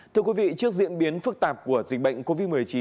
thưa quý vị trước diễn biến phức tạp của dịch bệnh covid một mươi chín